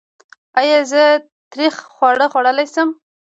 ایا زه تریخ خواړه خوړلی شم؟